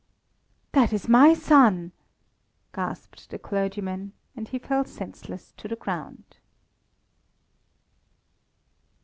"That is my son," gasped the clergyman, and he fell senseless to the ground.